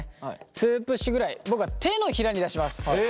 ２プッシュぐらい僕は手のひらに出します。え！？